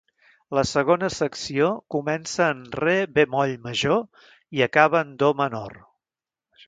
La segona secció comença en re bemoll major i acaba en do menor.